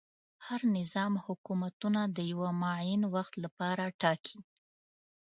هر نظام حکومتونه د یوه معین وخت لپاره ټاکي.